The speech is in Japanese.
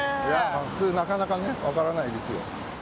普通なかなか分からないですよ。